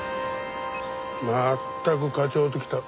まったく課長ときたら。